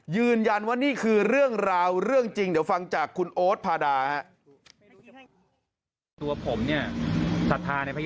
ยืนยันว่านี่คือเรื่องราวเรื่องจริงเดี๋ยวฟังจากคุณโอ๊ตพาดาครับ